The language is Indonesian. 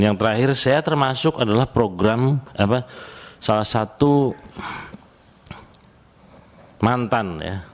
yang terakhir saya termasuk adalah program salah satu mantan ya